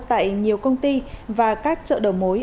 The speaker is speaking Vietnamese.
tại nhiều công ty và các chợ đầu mối